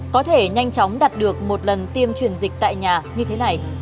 có thể nhanh chóng đạt được một lần tiêm truyền dịch tại nhà như thế này